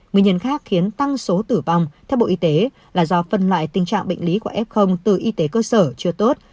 nguyên nhân khác khiến tăng số tử vong theo bộ y tế là do phân loại tình trạng bệnh lý của f từ y tế cơ sở chưa tốt